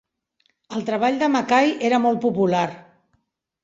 El treball de McCay era molt popular.